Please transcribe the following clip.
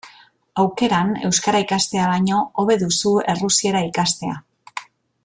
Aukeran, euskara ikastea baino, hobe duzu errusiera ikastea.